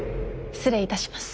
失礼いたします。